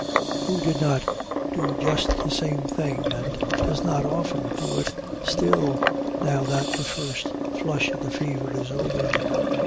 Who did not do just the same thing, and does not often do it still, now that the first flush of the fever is over?